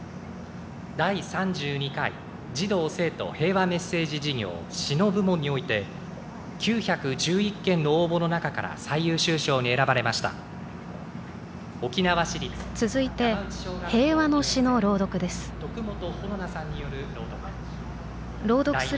第３２回児童・生徒平和メッセージ授業詩の部門において９１１件の応募の中から最優秀賞に選ばれました続いて、平和の詩の朗読です。